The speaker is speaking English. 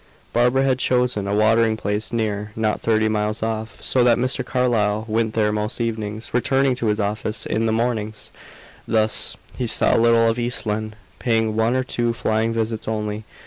Barbara had chosen a watering place near, not thirty miles off, so that Mr. Carlyle went there most evenings, returning to his office in the mornings. Thus he saw little of East Lynne, paying one or two flying visits only.